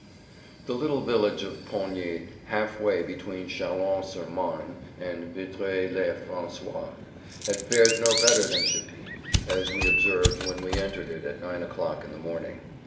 The little village of Pogny half way between Châlons sur Marne and Vitry le François, had fared no better than Chepy, as we observed when we entered it at nine o'clock in the morning.